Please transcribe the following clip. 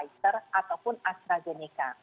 yaitu pfizer ataupun astrazeneca